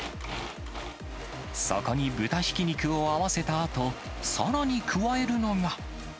そこに豚ひき肉を合わせたあと、さらに加えるのが。